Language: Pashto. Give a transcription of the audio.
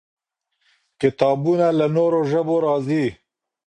کتابونه له نورو ژبو راځي.